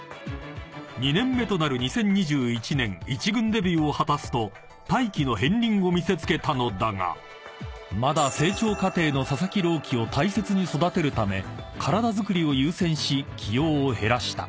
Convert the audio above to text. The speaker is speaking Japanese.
［２年目となる２０２１年一軍デビューを果たすと大器の片りんを見せつけたのだがまだ成長過程の佐々木朗希を大切に育てるため体づくりを優先し起用を減らした］